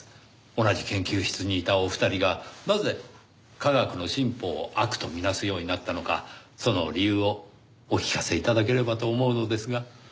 同じ研究室にいたお二人がなぜ科学の進歩を悪と見なすようになったのかその理由をお聞かせ頂ければと思うのですが。